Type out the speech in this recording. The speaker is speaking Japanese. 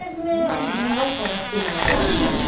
私長いほうが好きなので。